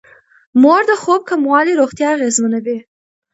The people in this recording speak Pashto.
د مور د خوب کموالی روغتيا اغېزمنوي.